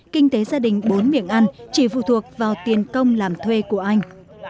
kinh tế gia đình bốn miệng ăn chỉ phụ thuộc vào tiền công làm thuê của anh